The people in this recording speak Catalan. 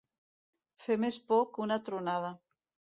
Fer més por que una tronada.